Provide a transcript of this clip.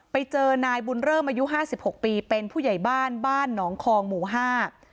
ไปเจอนายบุญเริ่มอายุห้าสิบหกปีเป็นผู้ใหญ่บ้านบ้านหนองคองหมู่ห้า